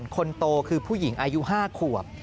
คนโตคือผู้หญิงอายุ๕ขวบ